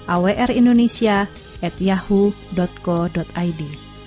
awrindonesia at yahoo co id